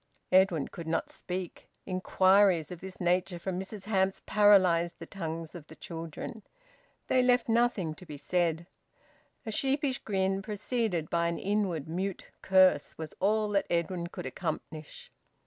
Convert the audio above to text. Edwin could not speak. Inquiries of this nature from Mrs Hamps paralysed the tongues of the children. They left nothing to be said. A sheepish grin, preceded by an inward mute curse, was all that Edwin could accomplish.